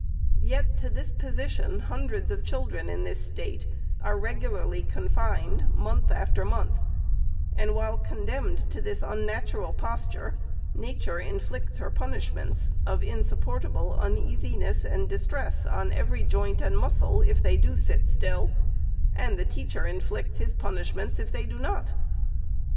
Yet, to this position, hun dreds of children in this State are regularly confined, month after month ; and while condemned to this unnat ural posture, Nature inflicts her punishments of insup portable uneasiness and distress on every joint and muscle if they do sit still, and the teacher inflicts his punishments if they do not.